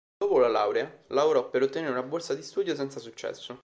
Dopo la laurea lavorò per ottenere una borsa di studio, senza successo.